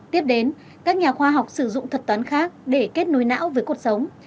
tiếp đến các nhà khoa học sử dụng thuật toán khác để kết nối não với cuộc sống